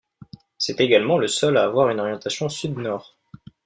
C'est également le seul à avoir une orientation sud-nord.